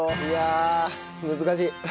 いやあ難しい。